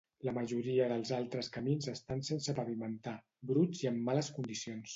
La majoria dels altres camins estan sense pavimentar, bruts i en males condicions.